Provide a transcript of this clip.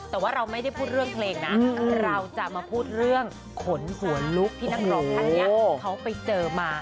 แต่ว่าเราไม่ได้พูดเรื่องเพลงนะเราจะมาพูดเรื่องขนหัวลุกที่นักร้องท่านเนี่ยเขาไปเจอมา